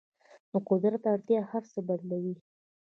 د قدرت اړتیا هر څه بدلوي.